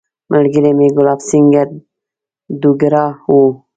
ملګری مې ګلاب سینګهه دوګرا وو.